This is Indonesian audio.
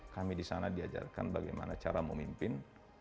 kami di sana diajarkan bagaimana cara memimpin